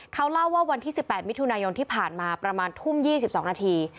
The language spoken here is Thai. เขาเล่าว่าวันที่๑๘มิถุนายนที่ผ่านมาประมาณทุ่ม๒๒นาที